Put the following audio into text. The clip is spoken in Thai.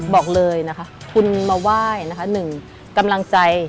บอกเลยนะคะคุณมาไหว้นะคะหนึ่งกำลังใจ